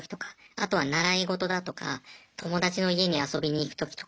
あとは習い事だとか友達の家に遊びに行く時とか。